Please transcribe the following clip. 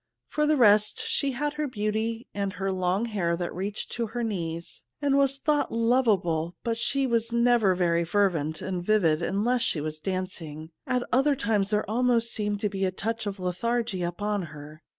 For the rest, she had her beauty and her long hair, that reached to her knees, and was thought lovable ; but she was never very fervent and vivid unless she was dancing ; at other times there almost seemed to be a touch of lethargy upon her.